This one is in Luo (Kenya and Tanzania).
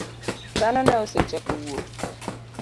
Dhano ne osechako wuok.